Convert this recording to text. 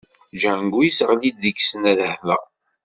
Django yesseɣli-d deg-sen rrehba.